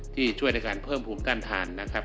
ที่ช่วยในการเพิ่มคุณการทานนะครับ